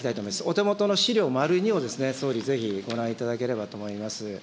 お手元の資料丸２を総理、ぜひご覧いただければと思います。